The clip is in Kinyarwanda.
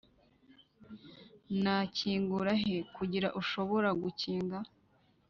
nakingura, he kugira ushobora gukinga,